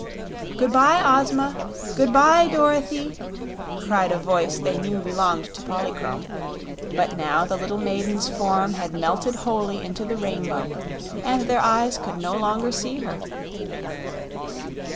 "Good bye Ozma! Good bye Dorothy!" cried a voice they knew belonged to Polychrome; but now the little maiden's form had melted wholly into the rainbow, and their eyes could no longer see her.